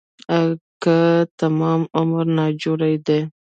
اگه تمام عمر ناجوړه دی.